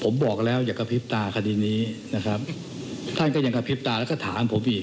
ผมบอกแล้วอย่ากระพริบตาคดีนี้นะครับท่านก็ยังกระพริบตาแล้วก็ถามผมอีก